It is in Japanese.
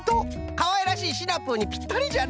かわいらしいシナプーにぴったりじゃな！